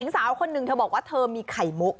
สาวคนหนึ่งเธอบอกว่าเธอมีไข่มุก